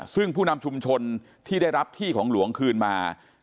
ซึ่งผู้นำชุมชนที่ได้รับที่ของหลวงคืนมา